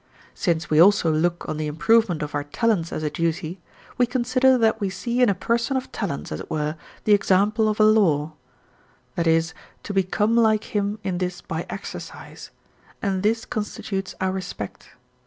Since we also look on the improvement of our talents as a duty, we consider that we see in a person of talents, as it were, the example of a law (viz., to become like him in this by exercise), and this constitutes our respect.